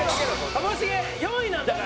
ともしげ４位なんだから。